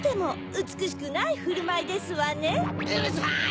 うるさい！